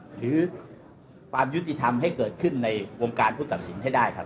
หรือความยุติธรรมให้เกิดขึ้นในวงการผู้ตัดสินให้ได้ครับ